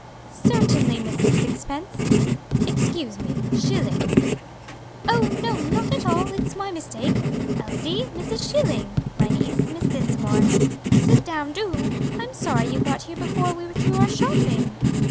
"Certainly, Mrs. Sixpence." "Excuse me, Schilling." "Oh no, not at all, it's my mistake. Elsie, Mrs. Schilling. My niece, Miss Dinsmore. Sit down, do. I'm sorry you got here before we were through our shopping."